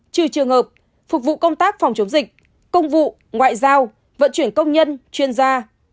trừ trường hợp phục vụ công tác phòng chống dịch công vụ ngoại giao vận chuyển công nhân chuyên gia